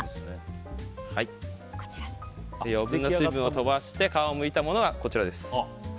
余分な水分を飛ばして皮をむいたものがこちらです。